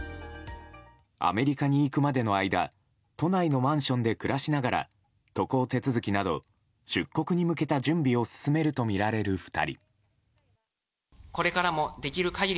アメリカに行くまでの間都内のマンションで暮らしながら渡航手続きなど出国に向けた準備を進めるとみられる２人。